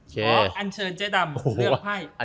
คออัญเชิญใจดำเลือกไข้